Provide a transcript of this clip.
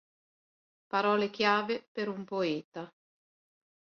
Parole chiave per un poeta".